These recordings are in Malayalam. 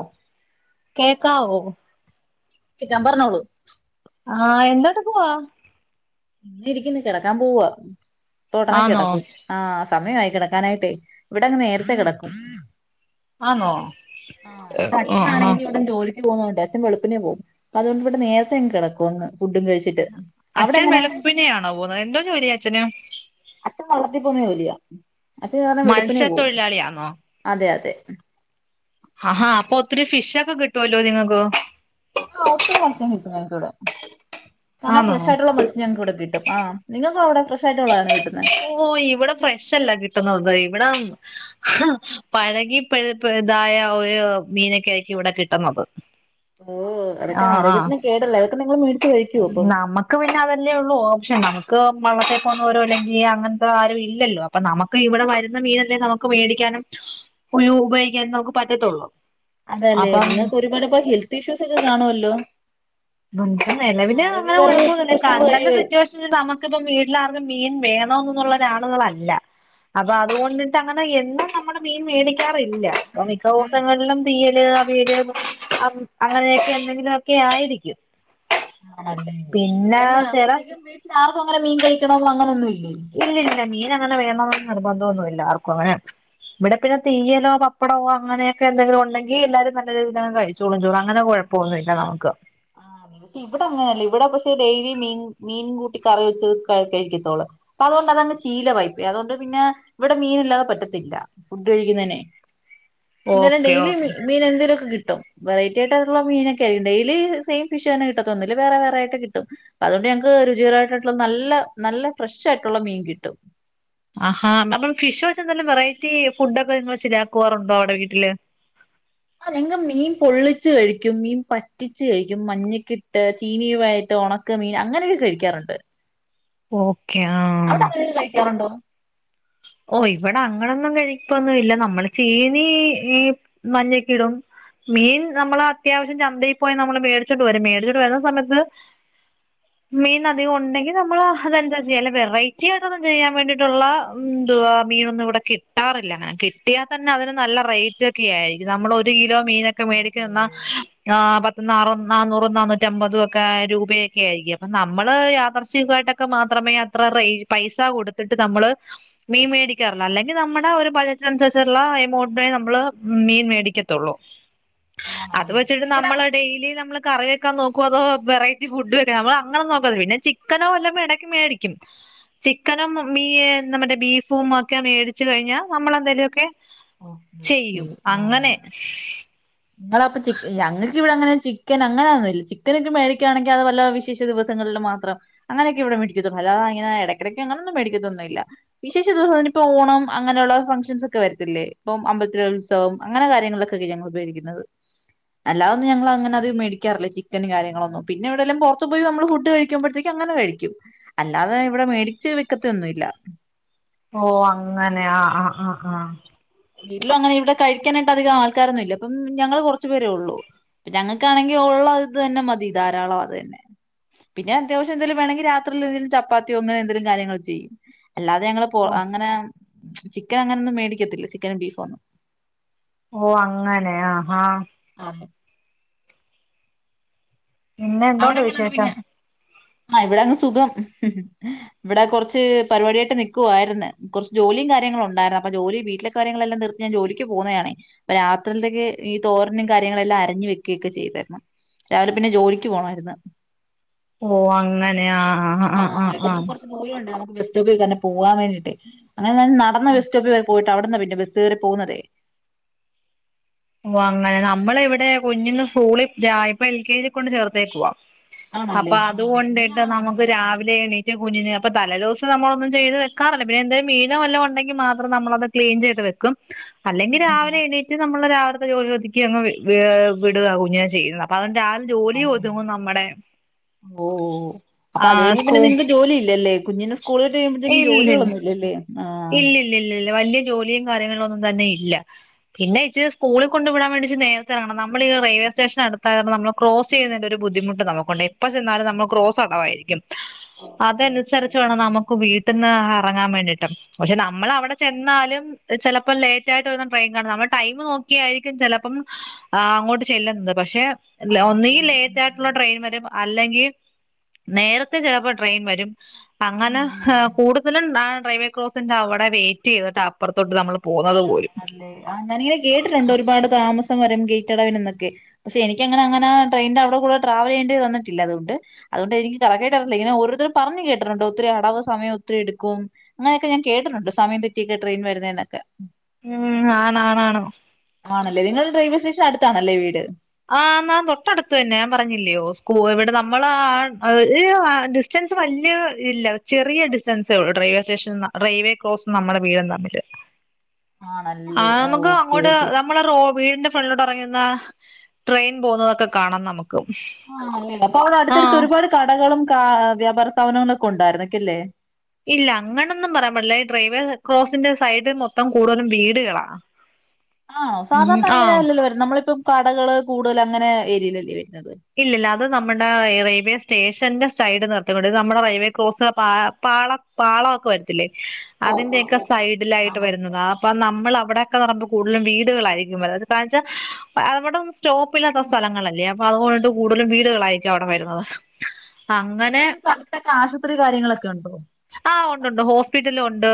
ഒ കെക്കാവോ കിട്ടാൻ പറഞ്ഞോളൂ ആഹ് എന്താട്ട് പോവാ ഇങ്ങിരിക്കുന്നു കിടക്കാൻ പോ വാ തുടനെ ആന്നോ കിടക്കും ആഹ് സമയം ആയി കിടക്കാനായിട്ടേ ഇവിടങ്ങ് നേരത്തെ കെടക്കും ആണോ ആ ഹാ പൊന്നൂണ്ട് അച്ഛൻ വെളുപ്പിനെ പോവും പ്പോ അതുകൊണ്ട് ഇവിടെ നേരത്തെ അങ്ങ് കിടക്കും അങ്ങ് ഫുഡും കഴിച്ചിട്ട് അവിടെങ്ങനാ പിന്നെയാണോ പോന്നത് എന്തോ ജോലിയാ അച്ഛന് അച്ഛൻ വളളത്തി പോന്ന ജോലിയാ അത് കാരണം വെളുപ്പിനെ പോവും മത്സ്യത്തൊഴിലാളിയാന്നോ അതെ അതെ ആഹാ ആഹാ അപ്പൊ ഒത്തിരി ഫിഷ് ഒക്കെ കിട്ടുവല്ലോ നിങ്ങക്ക് ആ ഒത്തിരി മത്സ്യം കിട്ടും ഞങ്ങക്കിവിടെ കാരണം ആന്നോ ഫ്രഷ് ആയിട്ടുള്ള മത്സ്യം ഞങ്ങൾ ഇവിടെ കിട്ടും ആ നിങ്ങക്ക് അവിടെ ഫ്ര ഓ ഇവിടെ ഫ്രഷല്ലാ കിട്ടുന്നത് ഇവിട പഴകി പഴുപ ഇതായ ഒരു മീനൊക്കെ ആയിരിക്കും ഇവിടെ കിട്ടുന്നത് ഓ അതൊക്കെ ആഹ് ആഹ് ആരോഗ്യത്തിന് കേടല്ലേ അതൊക്കെ നിങ്ങള് മേടിച്ച് കഴിക്കുവോ അപ്പം [unintelligible] പൊന്നോരോ അല്ലെങ്കിൽ അങ്ങനത്തെ ആരും ഇല്ലല്ലോ അപ്പൊ നമുക്ക് ഇവിടെ വരുന്ന മീനല്ലേ നമുക്ക് മേടിക്കാനും ഉ ഉപയോഗിക്കാനും നമുക്ക് പറ്റത്തോളു അതല്ലേ നിങ്ങൾക്ക് ഒരുപാട് ഇപ്പൊ ഹെൽത്ത് ഇഷ്യൂസ് ഒക്കെ കാണുവല്ലോ നമുക്ക് നിലവില് അങ്ങനെ ആരോഗ്യപരമായ ഒത്തിരി കൊഴപ്പൊന്നൂല്ല പ്രശ്നങ്ങൾ കണ്ടന്റെ കഴിയുവേ സിറ്റുവേഷനില് നമുക്കിപ്പം വീട്ടില് ആർക്കും മീൻ വേ ണന്നുള്ളൊരു ആളുകളല്ലാ അപ്പൊ അതുകൊണ്ടിട്ട് അങ്ങനെ എന്നും നമ്മള് മീൻ മേടിക്കാ റില്ലാ ഇപ്പൊ ഇല്ല ഇപ്പ മിക്ക ദിവസങ്ങളിലും തീ [inaudible] അങ്ങനെയൊക്കെ എന്തെങ്കിലൊക്കെ ആയിരിക്കും. ആണല്ലേ പിന്നെ അല്ലാ ചില അപ്പത്തേക്കും വീട്ടിൽ ആർക്കും അങ്ങനെ മീൻ കഴിക്കണോന്നോ അങ്ങനെ ഒന്നും ഇല് ഇല്ലില്ല മീൻ അങ്ങനെ വേ നിർബന്ധം ഒന്നുല്ല ആർക്കു അങ്ങനെ ഇവിടെ പിന്നെ തീയലോ പപ്പടോ അങ്ങനെയൊക്കെ എന്തെങ്കിലും ഉണ്ടെങ്കി എല്ലാരും നല്ല രീതിൽ കഴിചോളും ചോറ് അങ്ങനെ കൊഴപ്പം ഒന്നും ഇല്ല നമുക്ക് ആഹ് ഇവിടങ്ങനല്ല ഇവിടെ പക്ഷെ ഡെയിലി മീൻ മീൻ കൂട്ടി കറി വെച്ച് കഴി കഴിക്കെത്തോളൂ അതോണ്ട് അതങ്ങ് ശീലവായി പോയി അതോണ്ട് പിന്ന ഇവിട മീൻ ഇല്ലാതെ പറ്റത്തില്ല ഫുഡ് കഴിക്കുന്നതിനെ ന്താലും ഓക്കെ ഡെയിലി ഓക്കെ മീനെന്തേലുക്കെ കി വെറൈറ്റി ആയിട്ട് ഉള്ള മീനൊക്കെ ആയി [unintelligible] ഇടയില് സെയിം ഫിഷ് തന്നെ കിട്ടത്തൊന്നുല്ല വേറെ വേറെ ആയിട്ട് കിട്ടും അതോണ്ട് ഞങ്ങക്ക് രുചികരായിട്ട്ട്ടുള്ള നല്ല നല്ല ഫ്രഷ് ആയിട്ടുള്ള മീൻ കിട്ടും ആഹാ അപ്പം ഫിഷ് വെച്ച് എന്തേലും വെറൈറ്റി ഫുഡ ഒക്കെ നിങ്ങ ശരിയാക്കുവാറുണ്ടോ അവിടെ വീട്ടില് ആഹ് ഞങ്ങക്ക് മീൻ പൊള്ളിച്ചു കഴിക്കും മീൻ പറ്റിച്ചു കഴിക്കും മഞ്ഞക്കിട്ട് ചീനീവായ്ട്ട് ഒണക്ക മീൻ അങ്ങനെയൊക്കെ കഴിക്കാറ്ണ്ട് ഓക്കെ ആ അവിടെ അങ്ങന്യക്കെ കഴിക്കാറുണ്ടോ ഓഹ് ഇവടെ അങ്ങനൊന്നും കഴിക്കൊന്നും ഇല്ല നമ്മൾ ചീനി ഈ മഞ്ഞക്കിടും മീൻ നമ്മള് അത്യാവശ്യം ചന്തയിൽ പോയി നമ്മള് മേടിച്ചോണ്ട് വരും മേടിച്ചോണ്ട് വരുന്ന സമയത്ത് മീൻ അധികം ഒണ്ടെങ്കി നമ്മൾ അതെന്താ ചെയ്യ അല്ല വെറൈറ്റി ആയിട്ടൊന്നും ചെയ്യാൻ വേണ്ടിട്ടുള്ള ന്തുവാ മീനൊന്നും ഇവിടെ കിട്ടാറില്ല അങ്ങനെ കിട്ടിയാ തന്നെ അതിന് നല്ല റേറ്റ് ഒക്കെ ആയിരിക്കും നമ്മള് ഒരു കിലോ മീനൊക്കെ ഓഹോ മേടിക്കന്നു ന്ന ന്നാ പത് നാറ നന്നൂറ് നന്നൂറ്റമ്പതു ഒക്കെ രൂപയൊക്കെ ആയിരിക്കും അപ്പം നമ്മള് യഥാർചികം ആയിട്ടൊക്കെ മാത്രമേ അത്ര റേയ് പൈസ കൊടുത്തിട്ട് നമ്മള് മീൻ മേടിക്കാറ്ള് അല്ലെങ്കി നമ്മട ഒരു ബഡ്ജറ്റിനനുസരിച്ച്ള്ള എമോട്ടിനെ നമ്മള് മീൻ മേടിക്കത്തൊള്ളൂ അത് ആണല്ലേ വെച്ചിട്ട് ഇവിടെ നമ്മള് ഡെയിലി നമ്മള് കറി [unintelligible] നോക്കുവോ അതോ വെറൈറ്റി ഫുഡ് വര. നമ്മൾ അങ്ങനെ നോക്കോ അതോ വെറൈറ്റി ഫുഡ് [unintelligible] പിന്നെ ചിക്കനോ വല്ലോം വേണങ്കി മേടിക്കും. ചിക്കനും മീ നമ്മടെ ബീ ഫോം മാർക്കാ ഏതിച് കയിഞ്ഞ നമ്മളെന്ദേലൊക്കെ ഓക്കെ ചെയ്യും അങ്ങനെ [unintelligible] ഞങ്ങക്കിവിടങ്ങനെ ചിക്കൻ അങ്ങനൊന്നുല്ല ചിക്കനൊക്കെ മേടിക്കാണെങ്കിൽ അത്‌ വല്ലോ വിശേഷ ദിവസങ്ങളില് മാത്രം അങ്ങനൊക്കെ [unintelligible] അല്ലാതങ്ങനെ ഇടക്കിടക്കൊന്നും വേടിക്കതൊന്നില്ല വിശേഷ ദിസം നിപ്പോഓണം അങ്ങനൊള്ള ഫങ്ക്ഷൻസൊക്കെ വരത്തില്ലെ ഇപ്പൊ അമ്പലത്തിലെ ഉത്സവം അങ്ങനെ കാര്യങ്ങളിലെക്കെ സ്ഥിരം ഞങ്ങള് ഉപയോഗിക്കും. ണവ് അല്ലാതൊന്നും ഞങ്ങളങ്ങനെ അധികം മേടിക്കാറില്ല, ചിക്കനും കാര്യങ്ങളൊന്നും. പിന്നെ എവിടേലും പുറത്തു പോയി നമ്മൾ ഫുഡ് കഴിക്കുമ്പോഴത്തേക്കും അങ്ങനെ കഴിക്കും അല്ലാതെ ഇവിടെ മേടിച്ച് വെക്കത്തൊന്നുംല്ല. ഓ! അങ്ങനെ, ആ! ആ! ആ ആ വീട്ടിലു അങ്ങനെ ഇവിടെ കഴിക്കാനായിട്ടധികം ആൾക്കാരൊന്നും ഇല്ല ഇപ്പം ഞങ്ങള് കുറച്ചുപേരേ ഒള്ളൂ. ഞങ്ങൾക്കാണെങ്കിൽ ഉള്ള അത് തന്നെ മതി ധാരാളം അത് തന്നെ പിന്നെ അത്യാവശ്യം എന്തേലും വേണെങ്കി രാത്രീൽ എന്തെങ്കിലും ചപ്പാത്തിയോ ന്ദ്ര് അങ്ങനെ എന്തേലും കാര്യങ്ങള് ചെയ്യും. അല്ലാതെ ഞങ്ങള് ഓ ചിക്കൻ അങ്ങനൊന്നും മേടിക്കത്തില്ല. ബിഫോം ഓ! അങ്ങനെ ആഹാ! അതെ പിന്നെ, അവിടെ എന്തോന്നു എങ്ങനെയുണ്ട് വിശേഷം? പിന്നെ ആ ഇവിടങ്ങ് സുഖം. ഇവിടെ കൊറച്ച് പരിപാടിയായിട്ട് നിക്കുവായ്ര്ന്ന്. കൊർച്ച് ജോലിയും കാര്യങ്ങളും ണ്ടായ്ര്ന്ന്. അപ്പൊ ജോലി, വീട്ടിലെ കാര്യങ്ങളെല്ലാം തീർത്തു ഞാൻ ജോലിക്ക് പോന്നതാണേ. അപ്പൊ രാത്രിയൽത്തേക്ക് ഈ തോരനും കാര്യങ്ങളെല്ലാം അരഞ്ഞു വെക്കുയൊക്കെ ചെയ്താരുന്നു. രാവിലെ പിന്നെ ജോലി ച് പോണായ്ര്ന്ന് ഓ! അങ്ങനെ ആ! ആ ഇവിടന്നു കൊറച്ചു ദൂരമുണ്ടോ? ബസ്‌റ്റോപ്പിൽ തന്നെ പോവാൻ വേണ്ടീട്ട് അങ്ങനെ ഞാൻ നടന്ന് ബസ് സ്റ്റോപ്പിൽ വരെ പോയി അവിടന്നാ പിന്നെ ബസ് കയറി പോകുന്നതേ ഓ അങ്ങനെ. നമ്മളെ ഇവ്ടെ കുഞ്ഞിനെ സ്കൂളിൽ [unintelligible] എൽക്കേജിയിൽ കൊണ്ടു ചേർത്തേക്കുവാ. അപ്പൊ ആണല്ലേ ആ അതുകൊണ്ടിട്ട് നമ്മുക്ക് കുഞ്ഞാളാണല്ലേ അപ്പം രാവിലെ എണീറ്റ് കുഞ്ഞിനെ അപ്പൊ തലേ ദിവസം നമ്മളൊന്നും ചെയ്ത് വെയ്ക്കാറില്ല. പിന്നെ എന്തേലും മീനോ വല്ലതും ഒണ്ടെങ്കി മാത്രം നമ്മളത് ക്ലീൻ ചെയ്ത് വെക്കും. അല്ലെങ്കി ഉം, ഉം. രാവിലെ എണീറ്റ് [unintelligible] ത്തെ ജോലി ഒതുക്കി അങ്ങ് വി വേ വിടുകാ കുഞ്ഞിനെ ചെയ്യുന്നത്. അപ്പൊ ങ്ങനെ രാവ്‌ ജോലി ആ, അല്ലേ. ഒതുങ്ങും നമ്മടെ ഓ അപ്പൊ ആ അത് കഴിയുമ്പോ സ്കൂ പിന്നെ നിങ്ങൾക്ക് ജോലി ഇല്ലല്ലേ കുഞ്ഞിന് [unintelligible] [unintelligible] കൂൾ വിട്ട് കയ്യുമ്പത്തേക്കും ജോലികളൊന്നു ഇല്ലല്ലേ? ആ ഇല്ലില്ലില്ലില്ലില്ല. വലിയ ജോലിയും കാര്യങ്ങളൊന്നും തന്നെയില്ല. പിന്നെ ഇച്ചിരി സ്കൂളിൽ കൊണ്ടു വിടാൻ വേണ്ടി ഇച്ചിരി നേരത്തെ എറങ്ങണം. നമ്മളീ റെയിൽവേ സ്റ്റേഷൻ അടുത്തായതുകൊണ്ട് നമ്മൾ ക്രോസ് ചെയ്യുന്നതിന്റെ ഒരു ബുദ്ധിമുട്ട് നമുക്കുണ്ട്. എപ്പ ചെന്നാലും നമ്മള് ക്രോസ് അടവായിരിക്കും. ഓക്കെ അതനുസരിച്ച് വേണം ഓക്കെ നമുക്ക് വീട്ടിൽ ന്നാ എറങ്ങാൻ വേണ്ടിയിട്ട് പക്ഷെ നമ്മൾ അവിടെ ചെന്നാലും ചെലപ്പം ലേറ്റ് ആയിട്ട് വരുന്ന ട്രെയിൻ കാണും. നമ്മൾ ടൈം നോക്കിയായിരിക്കും ചെലപ്പം, അങ്ങോട്ട് ചെല്ലുന്നത്. പക്ഷെ ല്ല. ആണല്ലേ ഒന്നുകി ഉം ലേറ്റ് ആയിട്ടുള്ള ഉം ട്രെയിൻ വര് അല്ലെങ്കീ നേരത്തെ ചെലപ്പോ ട്രെയിൻ വരും. അങ്ങനെ ഉം ഉം കൂടുതലും ന റെവെകോ സിന്റെ അവിടെ വെയിറ്റ് ചെയ്തിട്ട അപ്പറത്തോട്ട് നമ്മള് ആല്ലെ ആ ഞാനിങ്ങനെ കേട്ടിട്ടുണ്ട് ഒരുപാട് താമസ സം വരും ഗേറ്റ് അടവിനന്നൊക്കെ പക്ഷെ എനിക്ക അങ്ങന അങ്ങനെ ട്രെയിന്റെ അവിടെ കൂടെ ട്രാവൽ ചെയ്യേണ്ടിന്നിട്ടില്ല അതുകൊണ്ട്തുകൊണ്ട് എനിക്ക് കറക്റ്റായില്ല ഇങ്ങന ഓരോരുത്തര പറഞ്ഞഞ് കേട്ടിണ്ട് ഒത്തിരി അടവ് സമയ ഒത്തിരി എടുക്കും അങ്ങനെയൊക്കെഞാൻ കേട്ടിട്ടുണ്ട് സമയം തെറ്റിയൊക്കെ ട്രെയിൻ വരുന്നെ ന്നൊക്കെ ഉം ആണ ആണാണോ ആണല്ലേ നിങ്ങളുടെ [unintelligible] അടുത്താണല്ലേ വീട് ആ് നാൻ തൊട്ടടുത്തു തന്നെ ഞാൻ പറഞ്ഞില്ലോ സ്കൂ ഇവിടെ നമ്മള ഡിസ്റ്റൻസ് വല്ിയ ഇല്ല ചെറിയ ഡിസ്റ്റൻസേ ഉള്ളൂ റെയിൽവേ സ്റ്റേഷൻ റെയിൽവേ ക്രോസ് നമ്മുടെ വീടും തമ്മില് ആ ആണല്ലേ നമുക്ക് ഓക്കെ അങ്ങോട്ട് ഓക്കെ നമ്മള റോ വീടിന്റെ വെള്ളോട്ട് ഇറങ്ങിനിന്ന ട്രെയിൻ പോന്നൊക്കെ കാണാം നമുക്ക് ആ അപ്പൊ അടെ ആ അടുത്തടുത്ത് ഒരുപാട് കടകളും വ്യാപാര സ്ഥപനങ്ങളൊക്കെ ഉണ്ടായിരുന്നക്ക അല്ലേ ഇല്ല അങ്ങനൊന്നും പറയാൻ പാടില്ല ഈ ഡ്രൈവേ ക്രോസിന്റെ സൈഡ് മൊത്തം കൂടുതലും വീടുകളാ ആ ഉം സാധാരണ ആ അങ്ങനെയ അല്ലല്ലോ വരും നമ്മളിപ്പം കടകള് കൂടുതൽ അങ്ങനെ ഏരിയയിലല്ലേവരൂ ഇല്ലല്ല അത് നമ്മുടെ റെയിൽവേ സ്റ്റേഷ ഷന്റെ സൈഡ് നിർത്തിണ്ട് നമ്മുടെ റൈവേ ക്രോസ് പാള പാളഒക്കെ വരത്തില്ലേ ഓ ഓ അതിന്റെയൊക്കെ ഓക്കെ ഓക്കെ ആ സൈഡിലായിട്ട് മനസ്സിലായി വരുന്നതാ അപ്പൊ മനസ്സിലായി നമ്മളവടെ [unintelligible] കൂടുലും വീടുകളായിരിക്കും [unintelligible] അവിട്ന്നും സ്റ്റോപ്പ് ഇല്ലാത്ത സ്ഥലങ്ങളല്ലേ അപ്പൊ അതുകൊണ്ട് കൂടുതലും വീടുകളായിരിക്കും അവിടെ വരുന്നത് അപ്പൊ അങ്ങനെ നിങ്ങക്ക് അടുത്തൊക്കെ ആശുപത്രി കാര്യങ്ങളൊക്കെ ഉണ്ടോ ആ ഉണ്ട്ണ്ട് ഹോസ്പിറ്റല ഉണ്ട്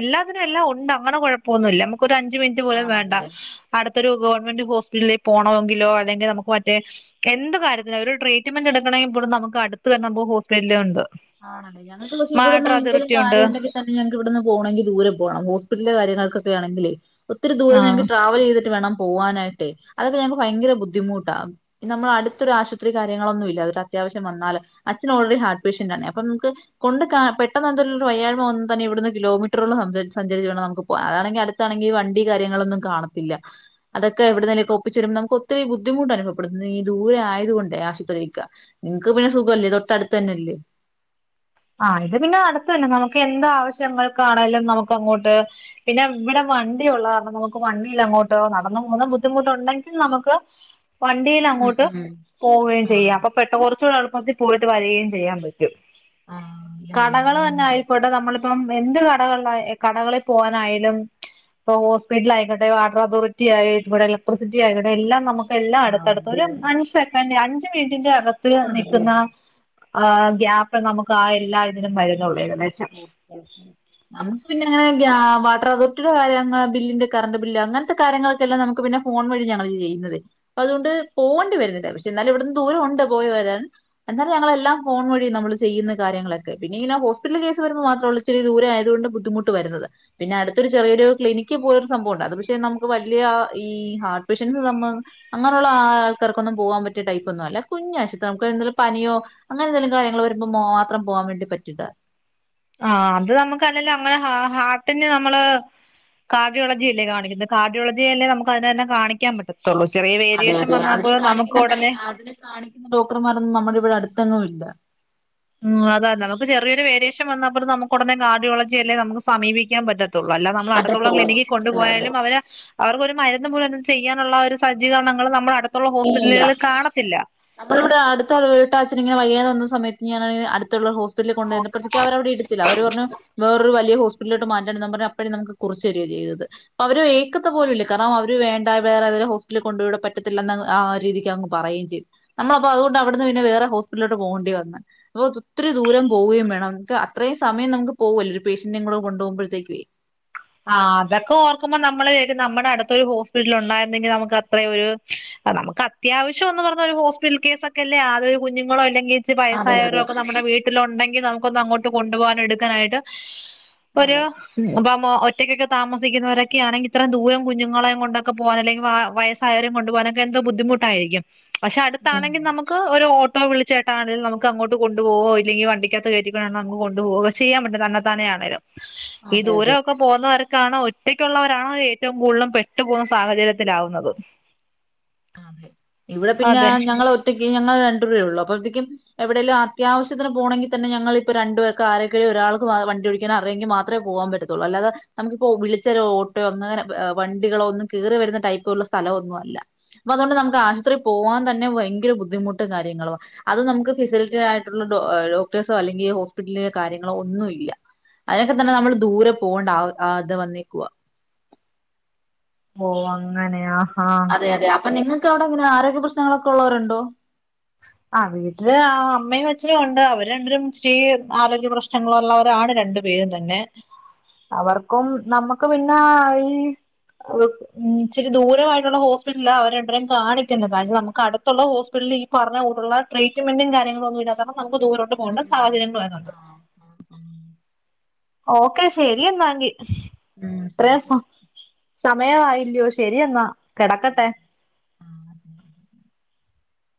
എല്ലാത്തിനും എല്ലാം ഉണ്ട് അങ്ങനെ കൊഴപ്പൊന്നുമില്ല നമ്ക്ക് ഒരു അഞ്ച് മിനിറ്റ് പോലും വേണ്ട ആണല്ലേ അടുത് ത്ത് ഒരു ഗവൺമെന്റ് ഹോസ്പിറ്റലിൽ പോണോങ്കിലോ അല്ലെങ്കിൽ നമുക്ക് മറ്റേ എന്ത് കാര്യത്തിന ഒരു ട്രീറ്റ്മെന്റ് എടുക്കാണെ എബുടുന്ന് നമുക്കടുത്തന്നെ ഹോസ്പിറ്റലിണ്ട് ആണല്ലേ ഞങ്ങൾക്ക്ക്ഷെ ഇവിടുന്ന് എന്തെങ്കിലും ഉണ്ട് കര്യം ഉണ്ടെങ്കി തന്നെ ഞക്ക് ഇവിടുന്ന് പോണങ്കി ദൂര പോണം ഹോസ്പിറ്റല് കാര്യൾക്കക്ക് [unintelligible] ആണെങ്കിലേ ഒത്തിരി ദൂരെ ആ ഞങ്ങക്ക് ട്രാവൽ ചെയ്തിട്ട് വേണം പോവാനായിട്ടെ അതൊക്കെ ഞൾക്ക് ഭയങ്കര ബുദ്ധിമുട്ടാ നമ്മള അടുത്തൊരു ആശുപത്രി കാര്യങ്ങളൊന്നുല്ല അത്യാവശ്യം വന്നാല് അച്ഛൻ ഓറെഡി ഹാർട്ട് പേഷ്യന്റണെ അപ്പൊ നമുക്ക് കൊണ്ട്ക പെട്ടെന്ന് ന്തേലുംഒരു വയ്യാരിമവന്നതന്നെവിടുന്ന് കിലോമീറ്ററോലം സഞ്ചാരിച്ച് വേണം നമുക്ക് പോക അതണെങ്കിൽ അടുത്താണെങ്കിൽഈ വണ്ടി കാര്യങ്ങളൊന്നും കാണത്തില്ല അതൊക്കെ എവിടുന്നന്നേക്ക് ഒപ്പിച്ച വരുമ്പോ നമുക്ക് ഒത്തിരി ബുദ്ധിമുട്ട് അനുഭവപ്പെടുന്നു ഈ ദൂര ആയത കൊൊണ്ട് ആശുപത്രിയിരിക്കക്ക നിങ്ങക്ക് പിന്നെ സുഖംല്ലേ തൊട്ടടുത്ത് തന്നെല്ലേ ആ ഇത് പിന്നെ അടുത്തന്നെ നമുക്ക് എന്ത് ആവശ്യങ്ങൾക്കാണേങ്കലും നമുക്ക് അങ്ങോട്ട് പിന്നെ ഇവിടെ വണ്ടി ഉള്ള കണം നമുക്ക് വണ്ടിൽ അങ്ങോട്ടോ നടന്ന പോകുന്ന ബുദ്ധിമുട്ടുണ്ടെങ്കിൽ നമുക്ക് വണ്ടിയിൽ ഉം അങ്ങോട്ട് ഉം പോവുകയും ആഹ് ചെയ്യാം അപ്പൊ പെട്ട കുറച്ചുകൂടെ പത്തി പോയിട്ട് വരകയും ചെയ്യാൻ പറ്റും ആഹ് ല്ലേ കടകൾ ഉം തന്നെ ആയിക്കോട്ടെ നമ്മളിപ്പം എന്ത് കടകളില കടകളിൽ പോവാനായാലും ഇപ്പ ഹോസ്പിറ്റൽ ആയിക്കോട്ടെ വാട്ടർ അതോറിറ്റി ആയി ഇ ഇലക്ട്രിസിറ്റി ആയിക്കോട്ടെ എല്ലാം നമുക്ക് എല്ലാം ആഹ് അടുത്തടുത്ത ഒരു അതെ അഞ്ച് സെക്കൻഡ് അ, ശബ്ദം ഒന്നും കേൾക്കുന്നില്ല ഇതിന്റെ അകത്ത് ആണല്ലേ നിൽക്കുന്ന ആ ഗ്യാപ്പ് നമുക്ക് കാ എല്ലാ ഇതിനും മരുന്നൊണ്ട് നമുക്ക് പിന്നെങ്ങനെ വാട്ടർ അതോറിറ്റിയുടെ കാര്യങ്ങൾ ബില്ലിന്റെ കറണ്ട് ബില്ല് അങ്ങനത്തെ കാരൃങ്ങളൊക്കെല്ലാം നമുക്ക് പിന്നെ ഫോൺ വഴി ഞങ്ങള് ചെയ്യുന്നതേ. അപ്പ അതുകൊണ്ട് പോണ്ടി വരുന്നില്ല പക്ഷെ എന്നാലും ഇവിടന്ന് ദൂര ഉണ്ട് പോയി വരാൻ എന്നാലും ഞങ്ങളെല്ലാം ഫോൺ വഴി നമ്മള് ചെയ്യുന്ന കാര്യങ്ങളൊക്കെ പിന്നെ ഇങ്ങന റ്റൽ കേസ് വരുമ്പോ മാത്ര ഉള്ളൂ ഇച്ചരി ദൂരെ ആതുകൊണ്ട് ബുദ്ധിമുട്ട് വരുന്നത്. പിന്നെ അടുത്തൊരു ചെറിയൊരു ക്ലിനിക്ക് പോലൊരു സംഭവുണ്ട്. അത് പക്ഷെ നമുക്ക് വല്യ ഈ ഹാർട്ട് പേഷ്യൻസ് നമ്മ അങ്ങനുള്ള ആൾക്കാർക്കൊന്നും പോവാൻ പറ്റിയ ടൈപ്പൊന്നും അല്ല. കുഞ്ഞ് ആശുപത്രിയാ നമുക്ക് എന്തെങ്കിലും പനിയോ അങ്ങനെ എന്തെലും കാര്യങ്ങൾ വരുമ്പോ മാത്രം പോവാൻ വേണ്ടി പറ്റിയിട്ട ആ അത് നമുക്ക് അല്ലെല്ല് അങ്ങനെ ഹാർട്ടിന് നമ്മള് കാർഡിയോളജി അല്ലേ കാണിക്കുന്നത്. കാർഡിയോളജിയല്ലേ നമുക്ക് അതിനു തന്നെ കാണിക്കാൻ പറ്റ അതെ അതെ അതിനെ കാണിക്കുന്ന ടൈ ഉടനെ അതിനെ കാണിക്കുന്ന ഡോക്ടർമാരൊന്നും നമ്മുടെ ഇവിടെ അടുത്തൊന്നും ഇല്ല ഷൻ വന്നപ്പോലും നമുക്ക് ഉടനെ കാർഡോളജി അല്ലേ നമുക്ക് സമീപിക്കാൻ പറ്റത്തൊ തുള്ളൂ. അല്ല നമ്മള് അടുത്തുള്ള ക്ലിനിക്കിൽ കൊണ്ടുപോയാലും അവരെ അവർക്കൊരു മരുന്ന് പോലും ചെയ്യാനുള്ള ഒരു സജ്ജീകരണങ്ങൾ നമ്മള് ഇല്ല നമ്മള് ഇവിടെ അടുത്തുള്ള വീട്ടാച്ഛന് ഇങ്ങനെ വയ്യാതെ വന്നു ആ സമയത്ത് ഞാൻ അ അടുത്തുള്ള ഹോസ്പിറ്റലിൽ കൊണ്ട് ചെന്നപ്പോ അവര് അവിടെ എടുത്തില്ല അവര് പറഞ്ഞു വേറൊരു വലിയ ഹോസ് സ്പിറ്റലിലോട്ട് മാറ്റാൻന്ന് പറഞ്ഞ് അപ്പഴേ നമുക്ക് കുറിച്ച് തരുവ ചെയ്തത്. അപ്പോ അവര് ഏക്കത്ത് പോലും ഇല്ല. കാരണം അവര് വേണ്ട വേറെ ഏതേലും ഹോസ്പിറ്റലിൽ കൊണ്ട് പോ. ഇവിടെ പറ്റത്തില്ലന്ന് ആ രീതിക്ക് അങ്ങ് പറയുകയും ചെയ്ത്. നമ്മള് അപ്പൊ അതൊണ്ട് അവിടുന്ന് പിന്നെ വേറെ ഹോസ്പിറ്റലോട്ട് പോകേണ്ടി വന്നേ അപ്പോ ഒത്തിരി ദൂരം പോവുകയും വേണം. നമുക്ക് അത്രയും സമയം നമുക്ക് പോവല്ലേ. ഒരു പേഷ്യന്റിനെയും കൂടെ കൊണ്ടു പോകുമ്പോഴത്തേക്കുവേ. ആ അതക്കെ ഓർക്കുമ്പം നമ്മള് ക്കും നമ്മടെ അടുത്തൊരു ഹോസ്പിറ്റൽ ഉണ്ടായിരുന്നെങ്കി നമുക്ക് അത്രെ ഒരു നമുക്ക് അത്യാവശ്യം ഒന്ന് പറഞ്ഞ ഒരു ഹോസ്പിറ്റൽ കേസക്കെ അല്ലേ അതൊരു കുഞ്ഞുങ്ങളോ അല്ലെങ്കിൽ വയസ്സായവരൊക്കെ നമ്മടെ വീട്ടിലുണ്ടെങ്കിൽ നമുക്കൊന്ന് കൊണ് കൊണ്ടു പോകാനും എടുക്കാനായിട്ട് ഒരു വം [unintelligible] ഒറ്റയ്ക്കൊക്കെ താമസിക്കുന്നവരൊക്കെയാണെങ്കിൽ ഇത്രയും ദൂരം കുഞ്ഞങ്ങളെങ്കൊണ്ടൊക്കെ പോവാൻ അല്ലെങ്കിൽ വ വയസ്സായവരെ കൊണ്ട് പോവാനൊക്കെ എന്തൊ ബുദ്ധിമുട്ടായിരിക്കും പക്ഷെ അടുത്താണെങ്കിൽ നമുക്ക് ഒരു ട്ടോ വിളിച്ച് ചേട്ടാ അത് നമുക്കങ്ങോട്ട് കൊണ്ടു പോകുവോ ഇല്ലെങ്കിൽ വണ്ടിക്കകത്ത് കേറ്റി നമുക്ക് കൊണ്ടുപോകോ ചെയാൻ പറ്റും തന്നെത്താനെ ആണെലും ഈ ദൂരൊക്കെ വർക്കാണോ ഒറ്റക്കുള്ളവരാണോ ഏറ്റവും കൂടുതലും പെട്ടു പോകുന്ന സാഹചര്യത്തിലാവുന്നത് ഇവിടെ പിന്നെ ആ അതെ ഞങ്ങള് ഒറ്റയ്ക്ക് ഞങ്ങള് രണ്ടുപേരുള്ളു അപ്പത്തേക്കും എവിടെലും അത്യാവശ്യത്തിന് പോണെങ്കിൽ തന്നെ ഞങ്ങളിപ്പോ രണ്ടുപേർക്ക് ആരെക്കേ ഒരാൾക്ക് വണ്ടി ഓടിക്കാൻ അറിയങ്കിൽ മാത്രമേ പോവാൻ പറ്റത്തോള്ളൂ അല്ലാതെ നമുക്കിപ്പോൾ വിളിച്ചാൽ ഓട്ടയോ അങ്ങനെ വണ്ടികളോ ഒന്നും കേറി വരുന്ന ടൈപ്പ് ഉള്ള സ്ഥലം ഒന്നും അല്ല പ്പ അതുകൊണ്ട് നമുക്ക് ആശുത്രി പോവാൻ തന്നെ ഭയങ്കര ബുദ്ധിമുട്ടും കാര്യങ്ങളുവ. അത് നമുക്ക് ഫെസിലിറ്റി ആയിട്ടുള്ള ഡോ ഡോക്ടേഴ്സോ അല്ലെങ്കിൽ ഹോസ്പിറ്റലിലോ കാര്യങ്ങളോ ഒന്നും ഇല്ല. അതിനൊക്കെ തന്നെ നമ്മൾ ദൂരെ പോവണ്ട ആ അത് വന്നേക്കുവാ ഓ അങ്ങനെയാ ആ അതെ അതെ അപ്പൊ നിങ്ങ് അവിടെ അങ്ങനെ ആരോഗ്യ പ്രശ്നങ്ങളൊക്കെ ഒള്ളോരുണ്ടോ ആ വീട്ടില് ആ അമ്മയും അച്ഛനും ഉണ്ട്. അവരണ്ടുരും ഇച്ചിരി ആരോഗ്യ പ്രശ്നങ്ങളുള്ളവരാണ് രണ്ടു പേരും തന്നെ. അവർക്കും നമ്മക്ക് പിന്നെ ഈ ഇച്ചിരി ദൂരമായിട്ടുള്ള ഹോസ്പിറ്റല അവരെണ്ടരും കാണിക്കുന്നത് കാരണം നമുക്ക് അടുത്തുള്ള ഹോസ്പിറ്റലി പറഞ്ഞ കൂടുള്ള ട്രീറ്റ്മെന്റും കാര്യങ്ങളൊന്നും ഇല്ലാത്ത കാരണം നമുക്ക് ദൂരോട്ട് ഉം പോകേണ്ട ഉം സാഹചര്യങ്ങൾ ഉ വരുന്നുണ്ട് ആഹ് ഉ ഉ ഓക്കെ ശരിയെന്നാങ്കി ഉം പിന്നെ സമയം ആയില്ലയോ ശരിയെന്നാ [unintelligible]